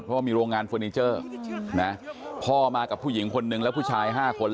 เพราะว่ามีโรงงานเฟอร์นิเจอร์นะพ่อมากับผู้หญิงคนนึงแล้วผู้ชาย๕คน